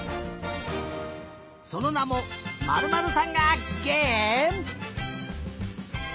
そのなも「○○さんが」げえむ。